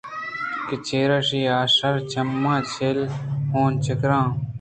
کہ چرایشی ءَ آ شرّ چَہمہ چِیل ءُ حُون چُکّران بوت